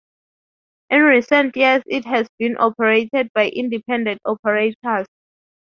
In recent years it has been operated by independent operators.